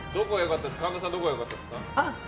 神田さんどこが良かったですか？